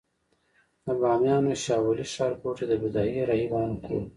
د بامیانو شاولې ښارګوټي د بودايي راهبانو کور و